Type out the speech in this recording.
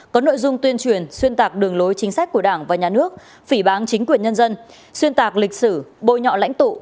có nội dung tuyên truyền xuyên tạc đường lối chính sách của đảng và nhà nước phỉ bán chính quyền nhân dân xuyên tạc lịch sử bôi nhọ lãnh tụ